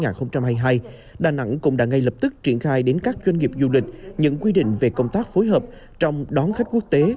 chúng tôi cũng đã triển khai đến các doanh nghiệp du lịch những quy định về công tác phối hợp trong đón khách quốc tế